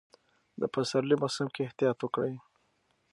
د پسرلي موسم کې احتیاط وکړئ.